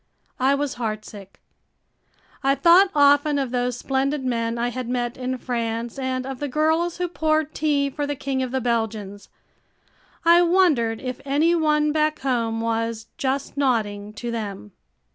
I was heartsick. I thought often of those splendid men I had met in France and of the girls who poured tea for the King of the Belgians. I wondered if any one back home was "just nodding" to them.